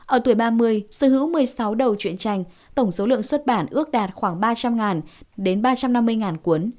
ở tuổi ba mươi sở hữu một mươi sáu đầu chuyện tranh tổng số lượng xuất bản ước đạt khoảng ba trăm linh đến ba trăm năm mươi cuốn